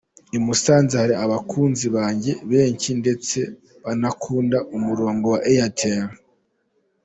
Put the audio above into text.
"I Musanze hari abakunzi banjye benshi ndetse banakunda umurongo wa Airtel.